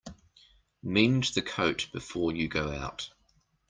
Mend the coat before you go out.